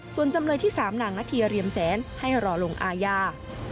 ส่วนจำเลยที่๓นางนาธีเรียมแสนให้รอลงอาญา